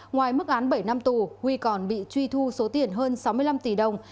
ngoài mức án bảy năm tù huy còn bị truy thu số tiền hơn sáu mươi năm tỷ đồng